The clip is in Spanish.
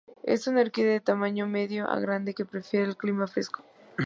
Es una orquídea de tamaño medio a grande que prefiere el clima fresco.